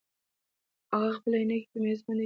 هغه خپلې عینکې په مېز باندې کېښودې.